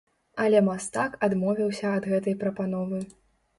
Але мастак адмовіўся ад гэтай прапановы.